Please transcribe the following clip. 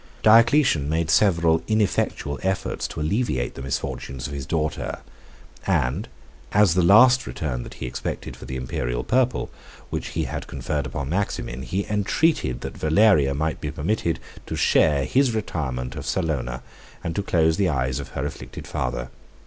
Diocletian made several ineffectual efforts to alleviate the misfortunes of his daughter; and, as the last return that he expected for the Imperial purple, which he had conferred upon Maximin, he entreated that Valeria might be permitted to share his retirement of Salona, and to close the eyes of her afflicted father.